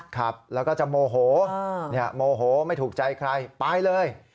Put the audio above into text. ครับแล้วก็จะโมโหโมโหไม่ถูกใจใครไปเลย